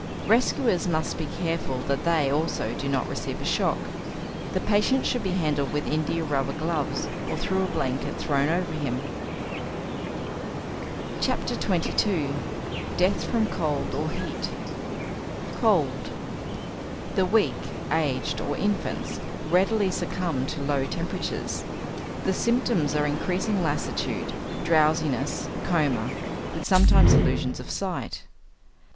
Rescuers must be careful that they, also, do not receive a shock. The patient should be handled with india rubber gloves or through a blanket thrown over him. XXII. DEATH FROM COLD OR HEAT =Cold.= The weak, aged, or infants, readily succumb to low temperatures. The symptoms are increasing lassitude, drowsiness, coma, with sometimes illusions of sight.